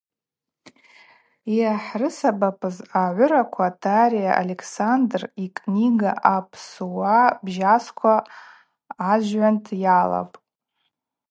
Йгӏахӏрысабапыз агӏвыраква: Тария Александр йкнига Апсыуа бжьасква ажвгӏванд йалапӏ.